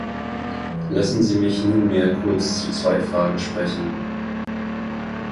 Lassen Sie mich nunmehr kurz zu zwei Fragen sprechen.